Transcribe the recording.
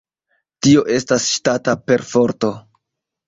Tio estas ŝtata perforto.